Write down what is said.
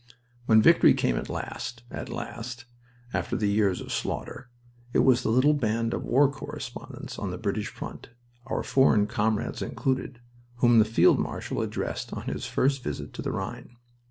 When victory came at last at last! after the years of slaughter, it was the little band of war correspondents on the British front, our foreign comrades included, whom the Field Marshal addressed on his first visit to the Rhine.